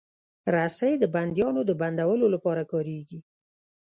رسۍ د بندیانو د بندولو لپاره کارېږي.